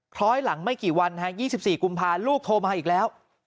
คล้อยหลังไม่กี่วัน๒๔กุมภาคลูกโทรมาอีกแล้ว